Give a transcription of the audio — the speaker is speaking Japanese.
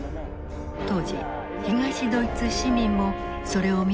当時東ドイツ市民もそれを見ることができた。